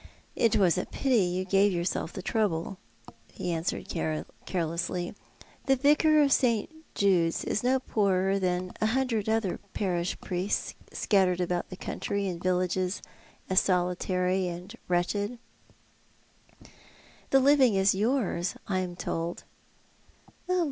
" It was a pity you gave yourself the trouble," he answered carelessly. "The Yicar of St. Jude's is no poorer than a hundred other jDarish priests scattered about the country in villages as solitary and wretched." " The living is yours, I am told."